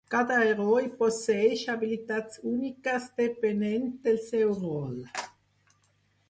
Cada heroi posseeix habilitats úniques depenent del seu rol.